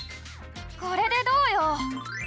これでどうよ！